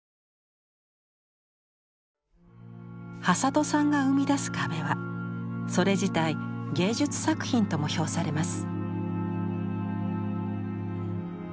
挾土さんが生み出す壁はそれ自体芸術作品とも評されます。